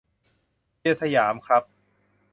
เชียร์สยาม ครับ